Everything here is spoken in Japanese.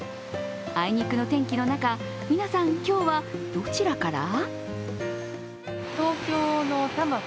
あいにくの天気の中、皆さん、今日はどちらから？